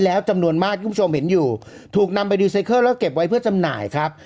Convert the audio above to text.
แล้วก็ว่ากันไป